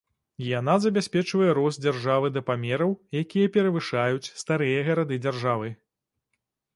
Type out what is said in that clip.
Яна забяспечвае рост дзяржавы да памераў, якія перавышаюць старыя гарады-дзяржавы.